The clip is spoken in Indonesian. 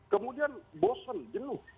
kemudian bosen jenuh